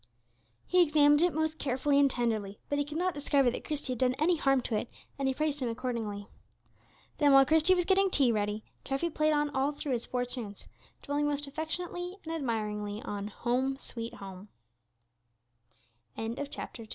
He examined it most carefully and tenderly, but he could not discover that Christie had done any harm to it, and he praised him accordingly. Then, while Christie was getting tea ready, Treffy played through all his four tunes, dwelling most affectionately and ad